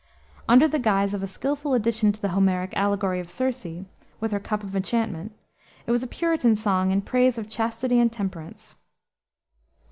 Under the guise of a skillful addition to the Homeric allegory of Circe, with her cup of enchantment, it was a Puritan song in praise of chastity and temperance.